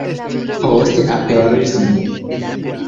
Poste aperis mi.